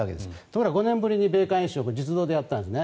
ところが５年ぶりに米韓演習を実働でやったんです。